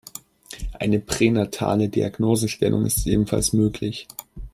Eine pränatale Diagnosestellung ist ebenfalls möglich.